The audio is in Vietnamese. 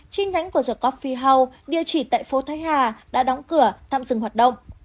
chi nhánh của the coffee house địa chỉ tại phố thái hà đã đóng cửa tạm dừng hoạt động